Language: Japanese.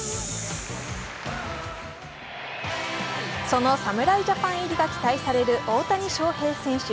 その侍ジャパン入りが期待される大谷翔平選手。